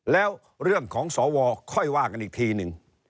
แล้วเรื่องของสวค่อยว่ากันอีกทีหนึ่ง